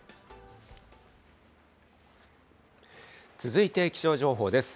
続いて、気象情報です。